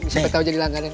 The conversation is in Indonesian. siapa tau jadi langganan